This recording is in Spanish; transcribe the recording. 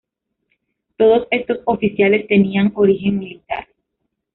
Todos estos oficiales tenían origen militar.